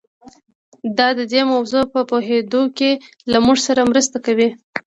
دا د دې موضوع په پوهېدو کې له موږ سره مرسته کوي.